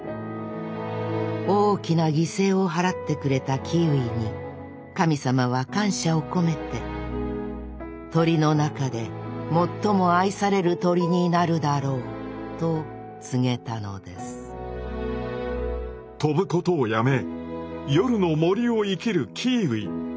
大きな犠牲を払ってくれたキーウィに神様は感謝を込めて「鳥の中で最も愛される鳥になるだろう」と告げたのです飛ぶことをやめ夜の森を生きるキーウィ。